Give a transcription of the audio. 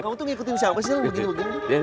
kamu mau dimonceng